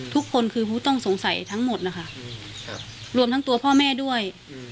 ทุกคนคือผู้ต้องสงสัยทั้งหมดนะคะรวมทั้งตัวพ่อแม่ด้วย